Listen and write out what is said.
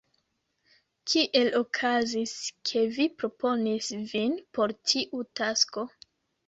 Kiel okazis, ke vi proponis vin por tiu tasko?